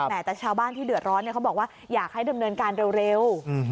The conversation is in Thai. แต่ชาวบ้านที่เดือดร้อนเขาบอกว่าอยากให้ดำเนินการเร็ว